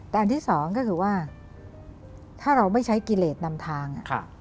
แต่อันที่สองก็คือว่าถ้าเราไม่ใช้กิเลสนำทาง